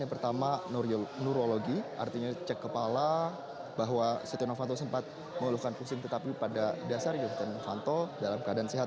yang pertama neurologi artinya cek kepala bahwa stiano vanto sempat mengeluhkan pusing tetapi pada dasarnya stiano vanto dalam keadaan sehat